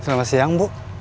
selamat siang bu